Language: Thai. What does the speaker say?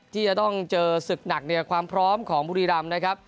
ที่จะต้องเจอศึกหนักความพร้อมของบุรีรัมย์